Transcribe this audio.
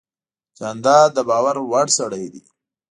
جانداد د باور وړ سړی دی.